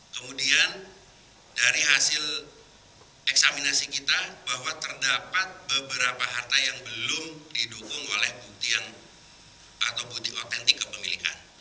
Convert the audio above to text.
kemudian dari hasil eksaminasi kita bahwa terdapat beberapa harta yang belum didukung oleh bukti yang atau bukti otentik kepemilikan